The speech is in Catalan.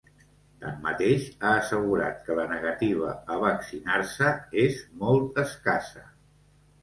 Tanmateix, ha assegurat que la negativa a vaccinar-se és molt escassa.